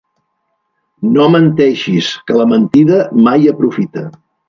No menteixis, que la mentida mai aprofita.